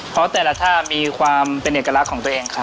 เพราะแต่ละท่ามีความเป็นเอกลักษณ์ของตัวเองครับ